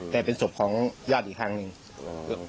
แต่เป็นศพของญาติอีกทางนึง